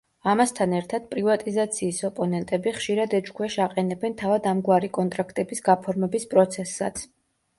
ამასთან ერთად პრივატიზაციის ოპონენტები ხშირად ეჭვქვეშ აყენებენ თავად ამგვარი კონტრაქტების გაფორმების პროცესსაც.